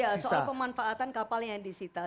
ya soal pemanfaatan kapal yang disita